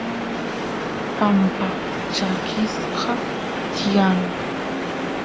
pampa chakisqa tiyan